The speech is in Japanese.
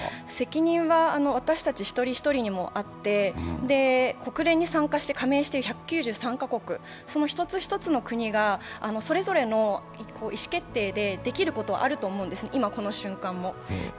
責任は私たち一人一人にもあって、国連に参加して加盟している１９３カ国の１つ１つの国がそれぞれの意思決定でできることはあると思うんです、今、この瞬間も。